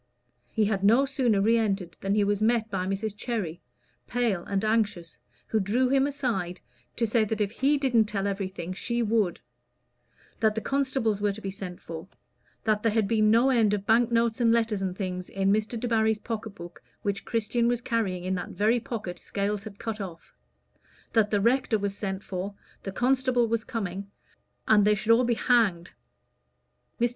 He had no sooner re entered than he was met by Mrs. Cherry, pale and anxious, who drew him aside to say that if he didn't tell everything she would; that the constables were to be sent for; that there had been no end of bank notes and letters and things in Mr. Debarry's pocket book, which Christian was carrying in that very pocket Scales had cut off; that the rector was sent for, the constable was coming, and they should all be hanged. Mr.